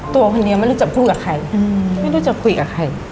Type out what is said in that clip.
ตัวคนเดียวไม่รู้จะพูดกับใครไม่รู้จะคุยกับใคร